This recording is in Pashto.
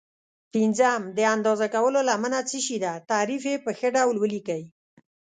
پنځم: د اندازه کولو لمنه څه شي ده؟ تعریف یې په ښه ډول ولیکئ.